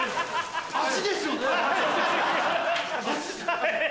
足ですよね？